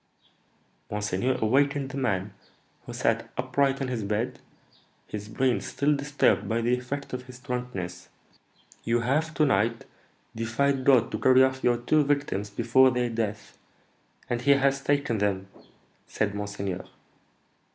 Monseigneur awakened the man, who sat upright in his bed, his brain still disturbed by the effect of his drunkenness. 'You have to night defied God to carry off your two victims before their death, and he has taken them,' said monseigneur.